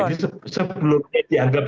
jadi sebelumnya dianggap